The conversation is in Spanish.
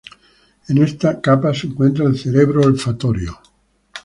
En esta capa se encuentra el "cerebro olfatorio".